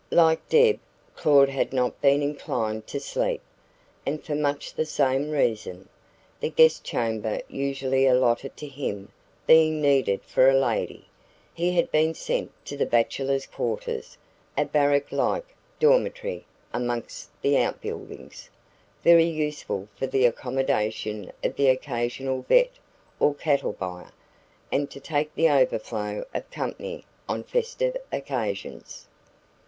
Like Deb, Claud had not been inclined to sleep, and for much the same reason. The guest chamber usually allotted to him being needed for a lady, he had been sent to the bachelors' quarters a barrack like dormitory amongst the outbuildings, very useful for the accommodation of the occasional 'vet' or cattle buyer, and to take the overflow of company on festive occasions.